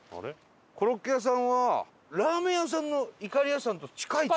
コロッケ屋さんはラーメン屋さんのいかりやさんと近いって。